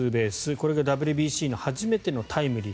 これがＷＢＣの初めてのタイムリー。